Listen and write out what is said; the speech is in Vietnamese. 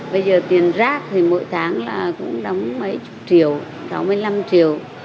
bây giờ tiền rác thì mỗi tháng là cũng đóng mấy chục triệu sáu mươi năm triệu